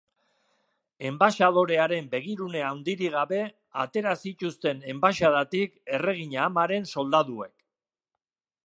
Enbaxadorearen begirune handirik gabe atera zituzten enbaxadatik erregina-amaren soldaduek.